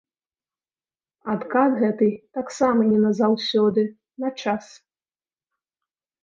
Адкат гэты таксама не на заўсёды, на час.